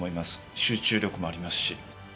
集中力もありますし。